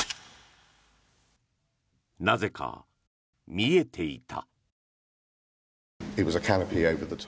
なぜか見えていた。